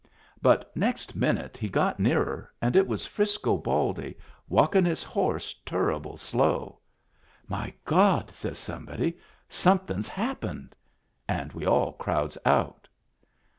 But next minute he got nearer, and it was Frisco Baldy, walkin' his horse turrable slow. " My God !" says somebody, " somethin's hap pened." And we all crowds out.